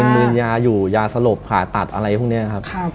มืนยาอยู่ยาสลบผ่าตัดอะไรพวกนี้ครับ